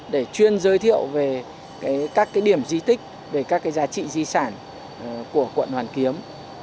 để chuyên giới thiệu về các điểm di tích về các giá trị di sản của quận hoàn kiếm